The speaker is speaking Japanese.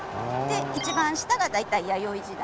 一番下が大体弥生時代。